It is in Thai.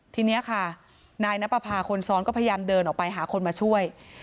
ทีนี้ค่ะนายนับประพาคนซ้อนก็พยายามเดินออกไปหาคนมาช่วย